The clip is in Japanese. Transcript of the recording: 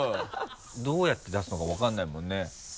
どうやって出すのか分からないもんね。